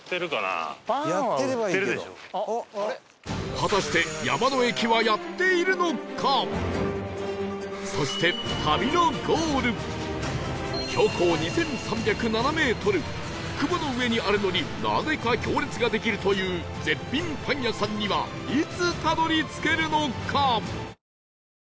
果たしてそして標高２３０７メートル雲の上にあるのになぜか行列ができるという絶品パン屋さんにはいつたどり着けるのか？